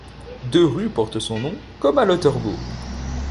Des rues portent son nom comme à Lauterbourg.